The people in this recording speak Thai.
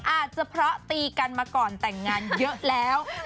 อาจจะเพราะตีกันมาก่อนแต่งงานเยอะแล้ว